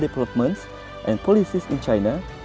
dan kebijakan di china